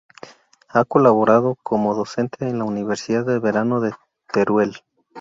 Ha colaborado como docente en la Universidad de Verano de Teruel.